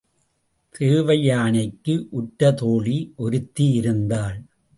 தேவையானைக்கு உற்ற தோழி ஒருத்தி இருந்தாள்.